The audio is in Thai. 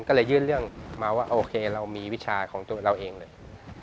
ก็เลยยื่นเรื่องมาว่าโอเคเรามีวิชาของตัวเราเองเลย